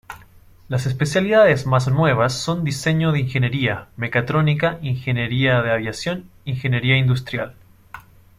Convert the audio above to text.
Las especialidades más nuevas son diseño de ingeniería, mecatrónica, ingeniería de aviación, ingeniería industrial.